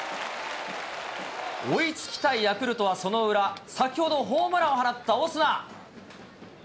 追いつきたいヤクルトはその裏、先ほどホームランを放ったオスナ。